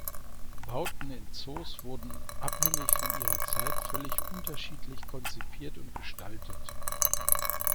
Bauten in Zoos wurden abhängig von ihrer Zeit völlig unterschiedlich konzipiert und gestaltet.